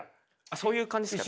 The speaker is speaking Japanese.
そういう感じですか？